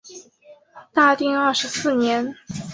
大定二十四年。